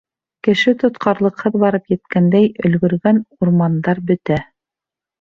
Кеше тотҡарлыҡһыҙ барып еткәндәй, өлгөргән урмандар бөтә.